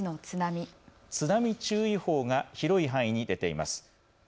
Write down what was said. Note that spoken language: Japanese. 津波注意報が広い範囲に出ています。